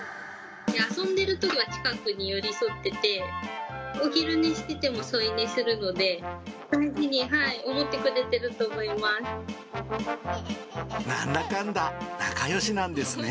遊んでるときは近くに寄り添ってて、お昼寝してても添い寝するので、大事に思ってくれてるとなんだかんだ、仲よしなんですね。